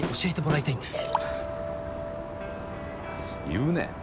言うね。